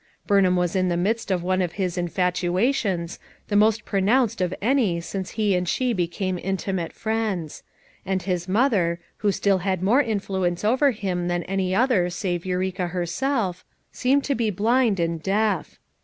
Burnham was in the midst of one of his "infatuations" tho most pronounced of any since he and she be came intimate friends; and his mother, who still had more influence over him than any other save Eureka herself, seemed to be blind and deaf.